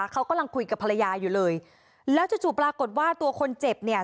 เขากำลังคุยกับภรรยาอยู่เลยแล้วจู่จู่ปรากฏว่าตัวคนเจ็บเนี่ย